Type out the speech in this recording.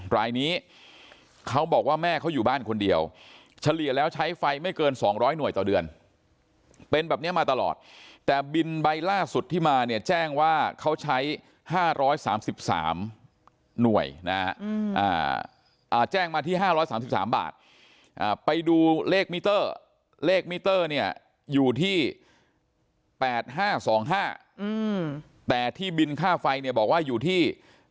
รายนี้เขาบอกว่าแม่เขาอยู่บ้านคนเดียวเฉลี่ยแล้วใช้ไฟไม่เกิน๒๐๐หน่วยต่อเดือนเป็นแบบนี้มาตลอดแต่บินใบล่าสุดที่มาเนี่ยแจ้งว่าเขาใช้๕๓๓หน่วยนะฮะแจ้งมาที่๕๓๓บาทไปดูเลขมิเตอร์เลขมิเตอร์เนี่ยอยู่ที่๘๕๒๕แต่ที่บินค่าไฟเนี่ยบอกว่าอยู่ที่